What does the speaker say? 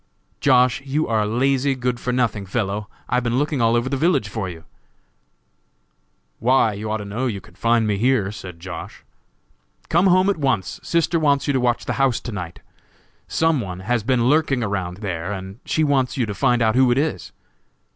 "Josh., you lazy, good for nothing fellow, I have been looking all over the village for you!" "Why, you ought to know you could find me here," said Josh. "Come home at once; sister wants you to watch the house to night! some one has been lurking around there, and she wants you to find out who it is."